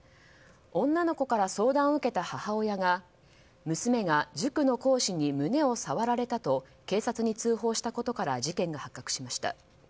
女の子から相談を受けた母親が娘が塾の講師に胸を触られたと警察に通報したことから事件が発覚しました。